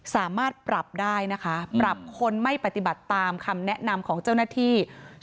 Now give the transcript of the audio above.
สามารถปรับได้นะคะปรับคนไม่ปฏิบัติตามคำแนะนำของเจ้าหน้าที่